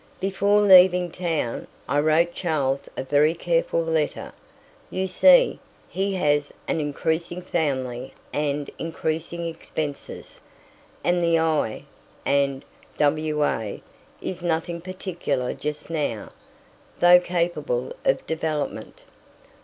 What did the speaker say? Before leaving town, I wrote Charles a very careful letter. You see, he has an increasing family and increasing expenses, and the I. and W. A. is nothing particular just now, though capable of development.